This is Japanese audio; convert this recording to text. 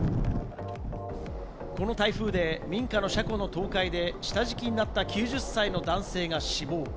この台風で民家の車庫の倒壊で下敷きになった９０歳の男性が死亡。